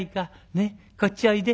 ねっこっちおいで。